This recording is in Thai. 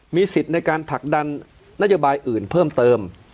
มีสิทธิ์ในการผลักดันนโยบายอื่นเพิ่มเติม